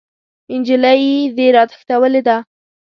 نجلۍ دې راتښتولې ده!